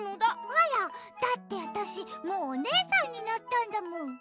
あら？だってわたしもうおねえさんになったんだもん。